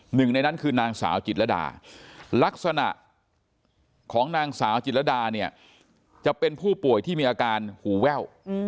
หนึ่งในนั้นคือนางสาวจิตรดาลักษณะของนางสาวจิตรดาเนี่ยจะเป็นผู้ป่วยที่มีอาการหูแว่ว